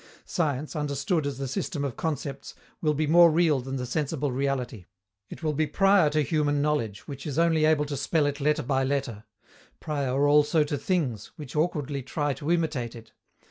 Science, understood as the system of concepts, will be more real than the sensible reality. It will be prior to human knowledge, which is only able to spell it letter by letter; prior also to things, which awkwardly try to imitate it.